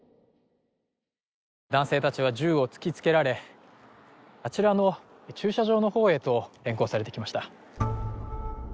男性たちは銃を突きつけられあちらの駐車場の方へと連行されていきました